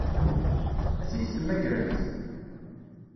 Ad t-id-temmagremt?